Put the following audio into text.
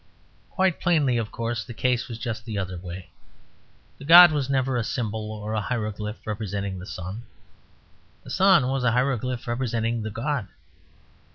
Quite plainly, of course, the case was just the other way. The god was never a symbol or hieroglyph representing the sun. The sun was a hieroglyph representing the god.